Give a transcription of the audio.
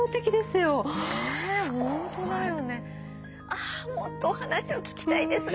あもっとお話を聞きたいですが。